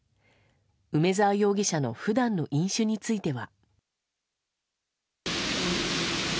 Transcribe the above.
梅沢容疑者の普段の飲酒については。